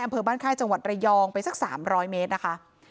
อำเภอบ้านค่ายจังหวัดระยองไปสัก๓๐๐เมตรนะคะ